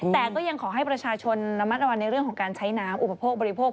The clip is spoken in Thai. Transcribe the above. แต่ก็ยังขอให้ประชาชนระมัดระวังในเรื่องของการใช้น้ำอุปโภคบริโภค